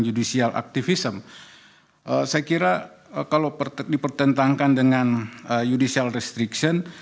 judicial activism saya kira kalau dipertentangkan dengan judicial restriction